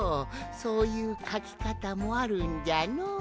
そういうかきかたもあるんじゃのう。